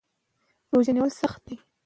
که لاسرسی وي نو څوک نه پاتې کیږي.